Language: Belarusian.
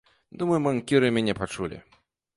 Думаю, банкіры мяне пачулі.